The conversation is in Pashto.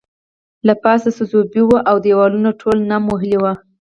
له پاسه څڅوبی وو او دیوالونه ټول نم وهلي وو